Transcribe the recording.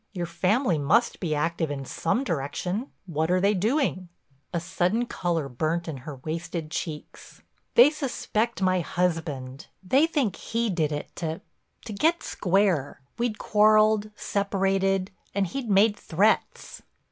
Your family must be active in some direction. What are they doing?" A sudden color burnt in her wasted cheeks. "They suspect my husband. They think he did it—to—to—get square. We'd quarreled—separated—and he'd made threats."